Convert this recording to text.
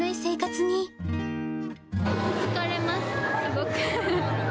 疲れます、すごく。